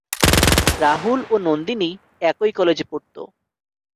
রাহুল ও নন্দিনী একই কলেজে পড়ত।